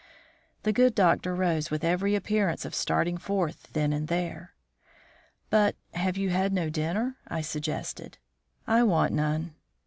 The good doctor rose with every appearance of starting forth then and there. "But you have had no dinner," I suggested. "I want none."